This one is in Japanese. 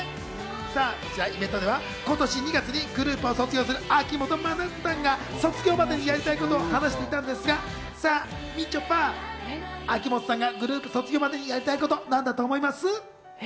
イベントでは今年２月にグループを卒業する秋元真夏さんが卒業までにやりたいこと話していたんですが、さあ、みちょぱ、秋元さんがグループ卒業までにやりたいことって何だと思います？え？